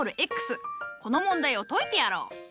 この問題を解いてやろう。